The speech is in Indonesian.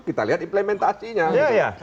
kita lihat implementasinya iya iya